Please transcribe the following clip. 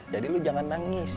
jadi lo jangan nangis